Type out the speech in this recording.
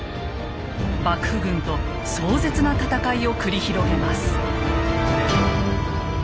幕府軍と壮絶な戦いを繰り広げます。